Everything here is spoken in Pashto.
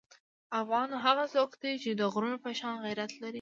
افغان هغه څوک دی چې د غرونو په شان غیرت لري.